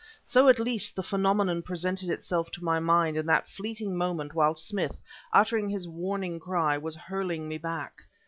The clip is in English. So, at least, the phenomenon presented itself to my mind in that fleeting moment while Smith, uttering his warning cry, was hurling me back.